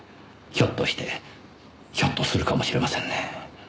ひょっとしてひょっとするかもしれませんね。